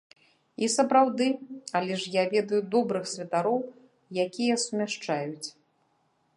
І сапраўды, але ж я ведаю добрых святароў, якія сумяшчаюць.